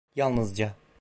Yalnızca...